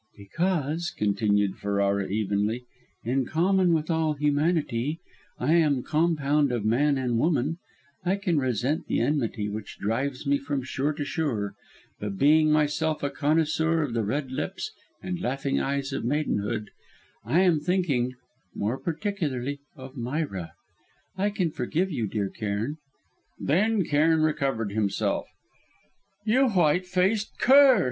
"Because," continued Ferrara evenly, "in common with all humanity I am compound of man and woman, I can resent the enmity which drives me from shore to shore, but being myself a connoisseur of the red lips and laughing eyes of maidenhood I am thinking, more particularly of Myra I can forgive you, dear Cairn " Then Cairn recovered himself. "You white faced cur!"